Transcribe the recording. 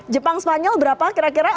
jepang spanyol berapa kira kira